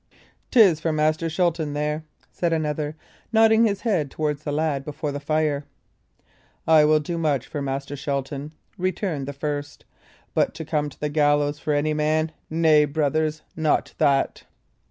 "'Tis for Master Shelton there," said another, nodding his head towards the lad before the fire. "I will do much for Master Shelton," returned the first; "but to come to the gallows for any man nay, brothers, not that!"